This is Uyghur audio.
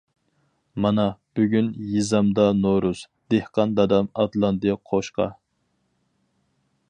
مانا بۈگۈن يېزامدا نورۇز، دېھقان دادام ئاتلاندى قوشقا.